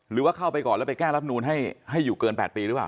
หรือว่าเข้าไปก่อนแล้วไปแก้รับนูลให้อยู่เกิน๘ปีหรือเปล่า